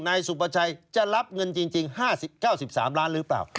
นายสุประชัยจะรับเงินจริง๕๙๓ล้านหรือเปล่า